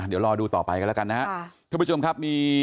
เดี๋ยวรอดูต่อไปกันแล้วกันนะครับ